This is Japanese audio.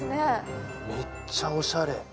めっちゃおしゃれ。